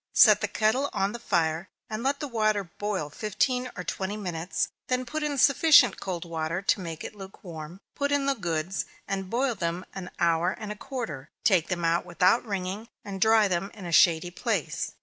Set the kettle on the fire, and let the water boil fifteen or twenty minutes; then put in sufficient cold water to make it lukewarm, put in the goods, and boil them an hour and a quarter take them out without wringing, and dry them in a shady place.